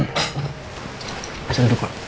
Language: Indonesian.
masih ada apa